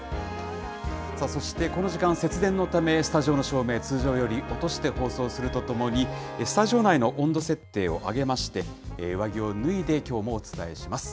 さあそして、この時間、節電のため、スタジオの照明、通常より落として放送するとともに、スタジオ内の温度設定を上げまして、上着を脱いで、きょうもお伝えします。